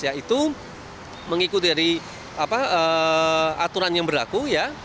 yaitu mengikuti aturan yang berlaku